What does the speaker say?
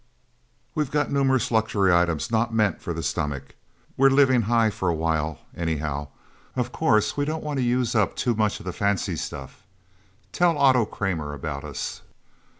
We've got numerous luxury items not meant for the stomach. We're living high for a while, anyhow. Of course we don't want to use up too much of the fancy stuff. Tell Otto Kramer about us..."